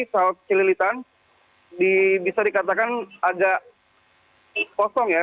pesawat cililitan bisa dikatakan agak kosong ya